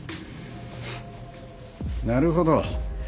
なるほど。